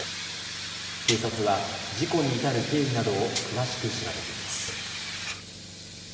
警察は事故に至る経緯などを詳しく調べています。